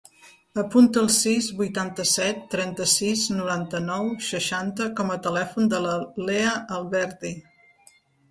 Apunta el sis, vuitanta-set, trenta-sis, noranta-nou, seixanta com a telèfon de la Lea Alberdi.